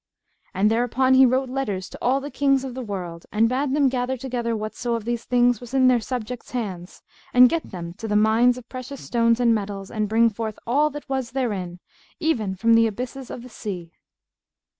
And thereupon he wrote letters to all the Kings of the world and bade them gather together whatso of these things was in their subjects' hands, and get them to the mines of precious stones and metals, and bring forth all that was therein, even from the abysses of the seas.